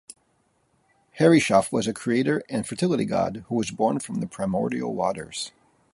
Heryshaf was a creator and fertility god who was born from the primordial waters.